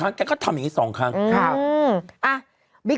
นี่